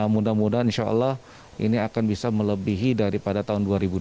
mudah mudahan insya allah ini akan bisa melebihi daripada tahun dua ribu dua puluh